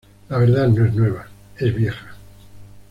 La verdad no es nueva, es vieja.